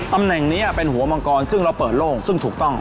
ตำแหน่งนี้เป็นหัวมังกรซึ่งเราเปิดโล่งซึ่งถูกต้อง